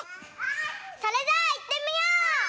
それじゃあいってみよう！